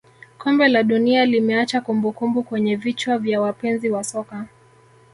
kombe la dunia limeacha kumbukumbu kwenye vichwa vya wapenzi wa soka